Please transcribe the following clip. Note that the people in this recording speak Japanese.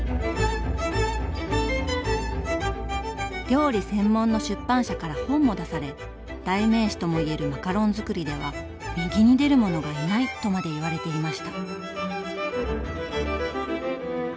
料理専門の出版社から本も出され代名詞とも言えるマカロンづくりでは「右に出る者がいない」とまで言われていました。